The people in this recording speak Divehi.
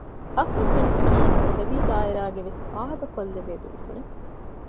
އަޙްމަދު މަނިކަކީ އަދަބީ ދާއިރާގައި ވެސް ފާހަގަ ކޮށްލެވޭ ބޭފުޅެއް